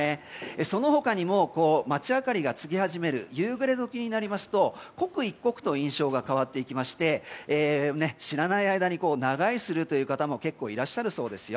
その他にも街明かりがつき始める夕暮れ時になりますと刻一刻と印象が変わっていきまして知らない間に長居するという方もいらっしゃるそうです。